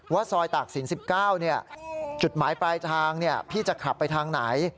ซอยตากศิลป์๑๙จุดหมายปลายทางพี่จะขับไปทางไหน